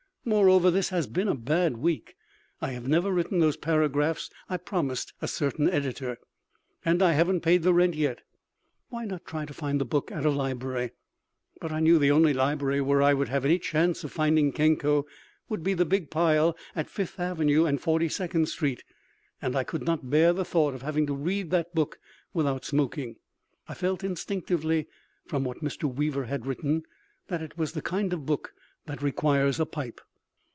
Moreover, this has been a bad week; I have never written those paragraphs I promised a certain editor, and I haven't paid the rent yet. Why not try to find the book at a library? But I knew the only library where I would have any chance of finding Kenko would be the big pile at Fifth avenue and Forty second street, and I could not bear the thought of having to read that book without smoking. I felt instinctively (from what Mr. Weaver had written) that it was the kind of book that requires a pipe.